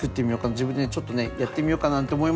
自分でちょっとねやってみようかなんて思いました。